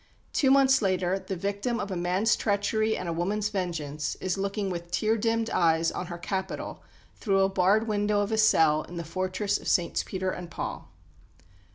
Two months later the victim of a man's treachery and a woman's vengeance is looking with tear dimmed eyes on "her capital" through a barred window of a cell in the fortress of Saints Peter and Paul.